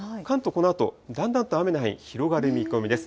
このあと、だんだんと雨の範囲広がる見込みです。